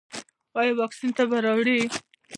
ایا واکسین تبه راوړي؟